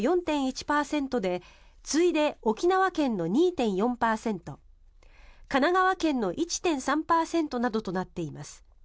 増加率が最も高いのは東京都の４．１％で次いで沖縄県の２．４％神奈川県の１．３％などとなっています。